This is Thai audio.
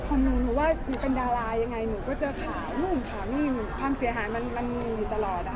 ขอบคุณนะว่าหนูเป็นดารายังไงหนูก็เจอข่าวหนูข่าวมีความเสียหายมันมีตลอด